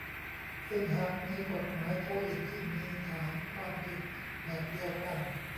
ซึ่งหากมีกฎหมายตัวอื่นที่มีฐานความผิดแบบเดียวกัน